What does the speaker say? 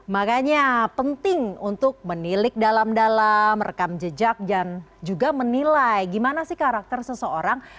makanya penting untuk menilik dalam dalam merekam jejak dan juga menilai gimana sih karakter seseorang